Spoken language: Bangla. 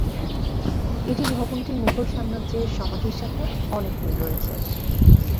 এটি ভবনটি মুঘল সাম্রাজ্যের সমাধির সাথে অনেক মিল রয়েছে।